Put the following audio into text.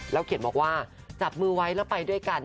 เขียนบอกว่าจับมือไว้แล้วไปด้วยกัน